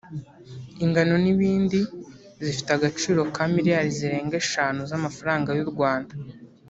ingano n’ibindi zifite agaciro ka miliyari zirenga eshanu z’amafaranga y’u Rwanda